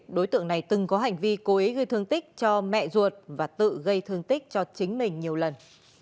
đối tượng này từng có hành vi cố ý gây thương tích cho mẹ ruột và tự gây thương tích cho chính mình nhiều lần